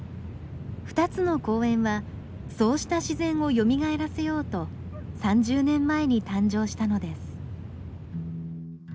２つの公園はそうした自然をよみがえらせようと３０年前に誕生したのです。